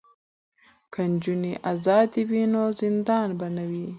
که نجونې ازادې وي نو زندان به نه وي.